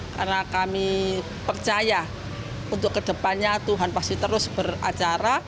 karena kami percaya untuk kedepannya tuhan pasti terus beracara